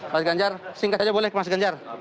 mas ganjar singkat saja boleh ke mas ganjar